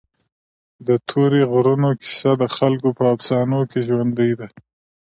د تورې غرونو کیسه د خلکو په افسانو کې ژوندۍ ده.